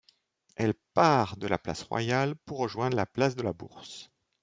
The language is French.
Elle part de la place Royale, pour rejoindre la place de la Bourse.